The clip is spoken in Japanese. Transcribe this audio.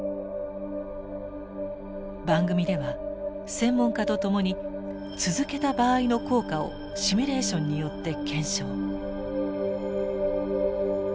番組では専門家と共に続けた場合の効果をシミュレーションによって検証。